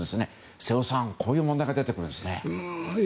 瀬尾さん、こういう問題が出てくるんですね。